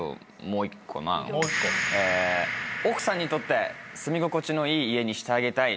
奥さんにとって住み心地のいい家にしてあげたい。